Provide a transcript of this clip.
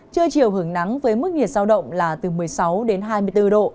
trưa chiều hưởng nắng với mức nhiệt giao động là từ một mươi sáu đến hai mươi bốn độ